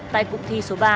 tại vụ thi số ba